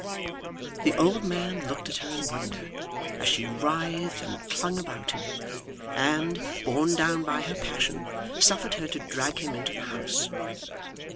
The old man looked at her in wonder, as she writhed and clung about him; and, borne down by her passion, suffered her to drag him into the house.